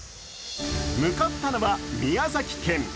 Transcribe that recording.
向かったのは宮崎県。